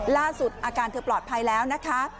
ล่าสุดอาการเธอปลอดภัยแล้วนะคะ